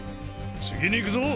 次に行くぞ！